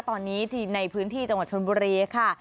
ตอนนี้ในพื้นที่จังหวัดชนบุรีค่ะ